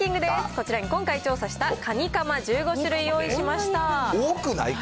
こちらに今回調査したかにかま１５種類を用意しました。